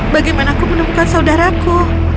bagaimana aku menemukan saudaraku